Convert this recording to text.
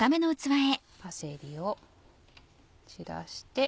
パセリを散らして。